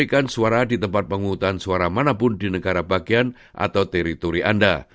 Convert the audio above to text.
anda bisa munculkan suara di tempat pemungutan suara manapun di negara bagian atau teritori anda